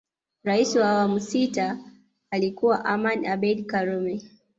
Rais wa awamu sita alikuwa Aman Abeid karume